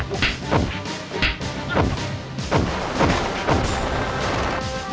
aku tidak ingin memiliki ibu iblis seperti mu